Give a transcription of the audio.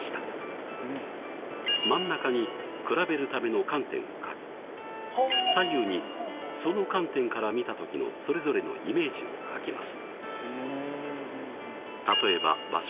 真ん中に比べるための「観点」を書き左右にその観点から見た時のそれぞれのイメージを書きます。